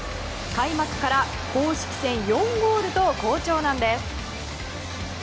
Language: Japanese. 開幕から公式戦４ゴールと好調なんです。